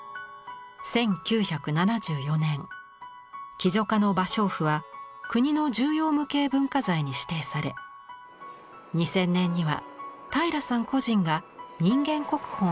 １９７４年喜如嘉の芭蕉布は国の重要無形文化財に指定され２０００年には平良さん個人が人間国宝に認定されました。